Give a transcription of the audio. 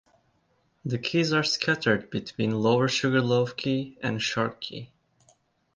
The keys are scattered between Lower Sugarloaf Key and Shark Key.